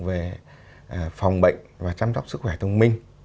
về phòng bệnh và chăm sóc sức khỏe thông minh